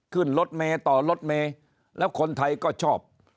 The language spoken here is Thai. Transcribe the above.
ขึ้นรถเมย์ต่อรถเมย์แล้วคนไทยก็ชอบ